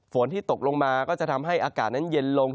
ฝนที่ตกลงมาก็จะทำให้อากาศนั้นเย็นลง